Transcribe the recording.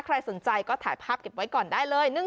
ใครสนใจก็ถ่ายภาพเก็บไว้ก่อนได้เลย